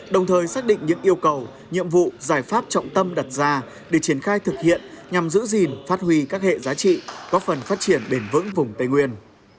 đồng thời xác định những yêu cầu nhiệm vụ giải pháp trọng tâm đặt ra để triển khai thực hiện nhằm giữ gìn phát huy các hệ giá trị góp phần phát triển bền vững vùng tây nguyên